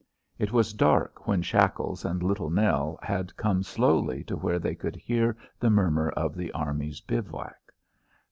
It was dark when Shackles and Little Nell had come slowly to where they could hear the murmur of the army's bivouac.